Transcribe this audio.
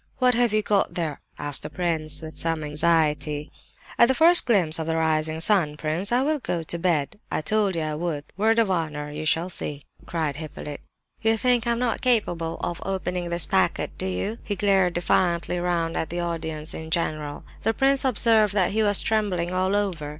"What have you got there?" asked the prince, with some anxiety. "At the first glimpse of the rising sun, prince, I will go to bed. I told you I would, word of honour! You shall see!" cried Hippolyte. "You think I'm not capable of opening this packet, do you?" He glared defiantly round at the audience in general. The prince observed that he was trembling all over.